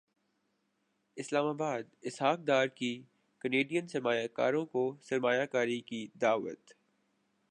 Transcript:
اسلام اباد اسحاق ڈار کی کینیڈین سرمایہ کاروں کو سرمایہ کاری کی دعوت